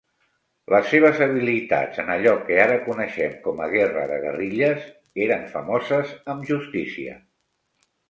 Les seves habilitats en allò que ara coneixem com a guerra de guerrilles eren famoses amb justícia.